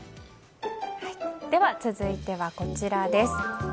では、続いてはこちらです。